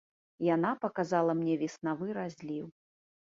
Яна паказала мне веснавы разліў.